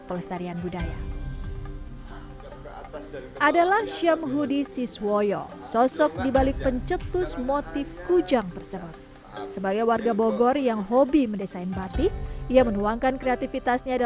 melestarikan kujang berarti melestarikan tradisi sunda